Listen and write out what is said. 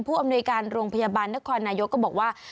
อำนวยการโรงพยาบาลนครนายกก็บอกว่า